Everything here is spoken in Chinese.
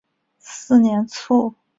四年卒。